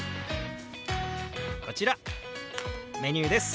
こちらメニューです。